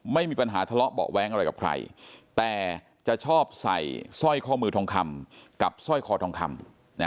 ไม่มีปัญหาทะเลาะเบาะแว้งอะไรกับใครแต่จะชอบใส่สร้อยข้อมือทองคำกับสร้อยคอทองคำ